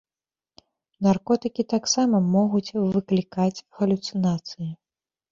Наркотыкі таксама могуць выклікаць галюцынацыі.